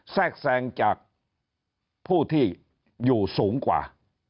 แทรกแทรงจากผู้ที่อยู่สูงกว่า